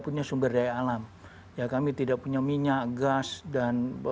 punya sumber daya alam ya kami tidak punya minyak gas dan